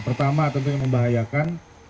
pertama tentunya membahayakan